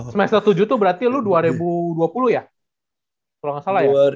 semester tujuh itu berarti lu dua ribu dua puluh ya kalau nggak salah ya